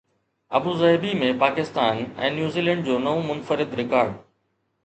Abu Dhabi ۾ Pakistan ۽ New Zealand جو نئون منفرد رڪارڊ